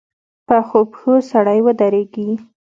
پخو پښو سړی ودرېږي